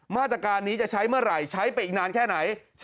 มาตรการนี้จะใช้เมื่อไหร่ใช้ไปอีกนานแค่ไหน